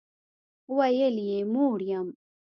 ویل یې موړ یم.